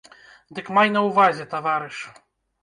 Дык май на ўвазе, таварыш!